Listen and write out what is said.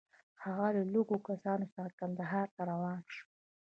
هغه له لږو کسانو سره کندهار ته روان شو.